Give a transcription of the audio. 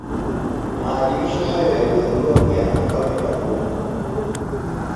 Maadhimisho hayo yalihudhuriwa pia na Mfalme Baudouin